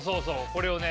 これをね